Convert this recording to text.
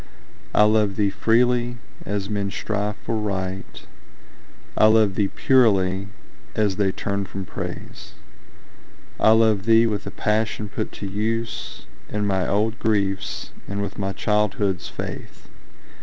I love thee freely, as men strive for Right; I love thee purely, as they turn from Praise. I love thee with the passion put to use In my old griefs, and with my childhood's faith.